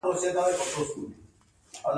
سهار او ماښام دې یادوم